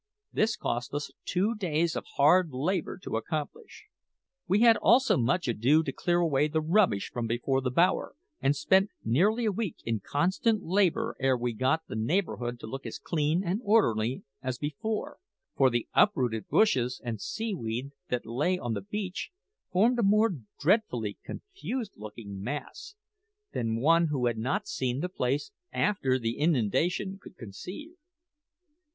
This cost us two days of hard labour to accomplish. We had also much ado to clear away the rubbish from before the bower, and spent nearly a week in constant labour ere we got the neighbourhood to look as clean and orderly as before; for the uprooted bushes and seaweed that lay on the beach formed a more dreadfully confused looking mass than one who had not seen the place after the inundation could conceive.